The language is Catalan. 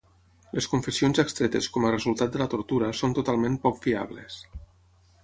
Les confessions extretes com a resultat de la tortura són totalment poc fiables.